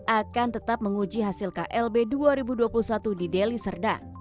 akan tetap menguji hasil klb dua ribu dua puluh satu di deli serdang